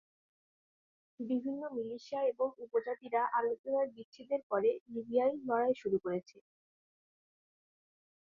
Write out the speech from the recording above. বিভিন্ন মিলিশিয়া এবং উপজাতিরা আলোচনার বিচ্ছেদের পরে লিবিয়ায় লড়াই শুরু করেছে।